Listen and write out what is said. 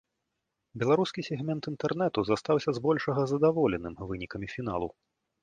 Беларускі сегмент інтэрнэту застаўся збольшага задаволеным вынікамі фіналу.